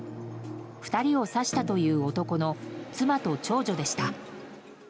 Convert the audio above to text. ２人を刺したという男の妻と長女でした。